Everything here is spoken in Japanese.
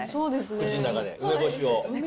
口の中で、梅干しを。